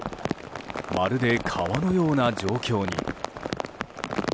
まるで川のような状況に。